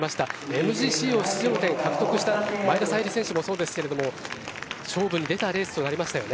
ＭＧＣの出場権を獲得した前田彩里選手もそうでしたけど勝負に出たレースとなりましたよね。